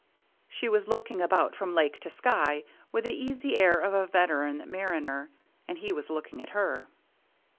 She was looking about from lake to sky with the easy air of a veteran mariner ; and he was looking at her.